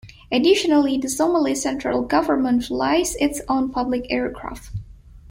Additionally, the Somali central government flies its own public aircraft.